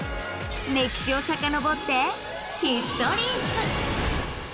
歴史をさかのぼってヒストリップ！